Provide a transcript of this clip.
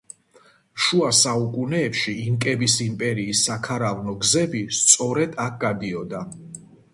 შუა საუკუნეებში ინკების იმპერიის საქარავნო გზები სწორედ აქ გადიოდა.